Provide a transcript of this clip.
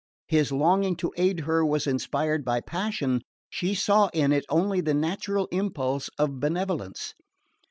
His longing to aid her was inspired by passion: she saw in it only the natural impulse of benevolence.